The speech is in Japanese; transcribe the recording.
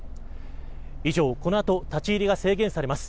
以上この後、立ち入りが制限されます